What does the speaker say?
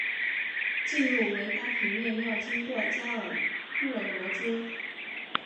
进入维巴庭园要经过加尔默罗街。